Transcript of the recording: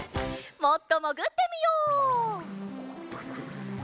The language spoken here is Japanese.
もっともぐってみよう。